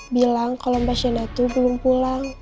bilang kalau mbak shena tuh belum pulang